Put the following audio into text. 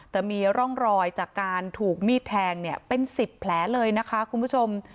แต่มีร่องรอยจากการถูกมีดแทงเนี่ยเป็น๑๐แผลเลยนะคะคุณผู้ชม